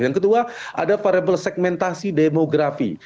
yang kedua ada variable segmentasi demografi